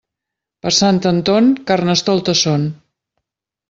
Per Sant Anton, Carnestoltes són.